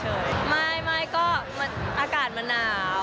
อากาศน้าหลายก็เป็นไปตามบรรยากาศ